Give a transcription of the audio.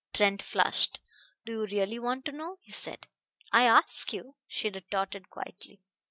Trent flushed. "Do you really want to know?" he said. "I ask you," she retorted quietly.